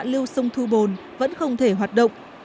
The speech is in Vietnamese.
tại hạ lưu sông thu bồn vẫn không thể hoạt động